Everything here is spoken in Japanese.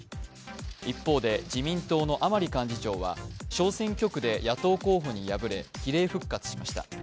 一方で、自民党の甘利幹事長は小選挙区で野党候補に敗れ、比例復活しました。